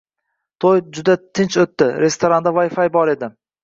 To'y juda tinch o'tdi. Restoranda Wi-Fi bor edi...